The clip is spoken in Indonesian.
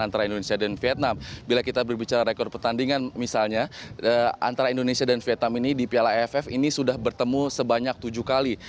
antara indonesia dan vietnam bila kita berbicara rekor pertandingan misalnya antara indonesia dan vietnam ini di piala aff ini sudah bertemu sebanyak tujuh kali